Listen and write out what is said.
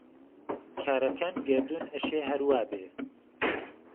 کارهکان گهردوون ئهشێ ههر وا بێ،